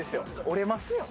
折れますよ。